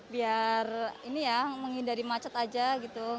biar ini ya menghindari macet aja gitu